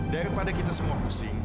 daripada kita semua pusing